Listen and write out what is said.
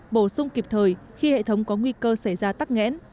bổ sung kịp thời khi hệ thống có nguy cơ xảy ra tắc nghẽn